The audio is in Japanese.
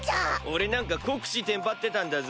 俺なんか国士テンパってたんだぞ。